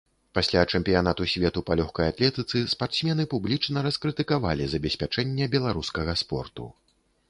Пасля чэмпіянату свету па лёгкай атлетыцы спартсмены публічна раскрытыкавалі забеспячэнне беларускага спорту.